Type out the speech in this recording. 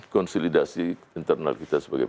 konsolidasi internal kita sebagai